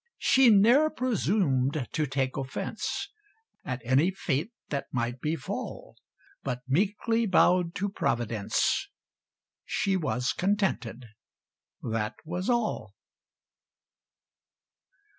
She ne'er presumed to take offence At any fate that might befall, But meekly bowed to Providence She was contented that was all!